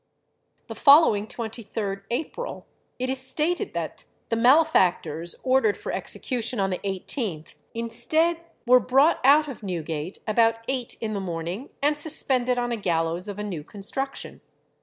The following 23rd April, it is stated that the malefactors ordered for execution on the 18th inst. were brought out of Newgate about eight in the morning, and suspended on a gallows of a new construction.